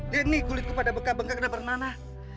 dan nih kulitku pada bengkak bengkak kena berenana